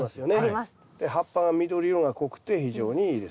葉っぱが緑色が濃くて非常にいいです。